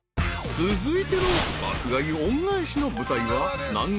［続いての爆買い恩返しの舞台は南国］